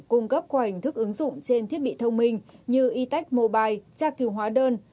cung cấp qua hình thức ứng dụng trên thiết bị thông minh như e tech mobile tra kiều hóa đơn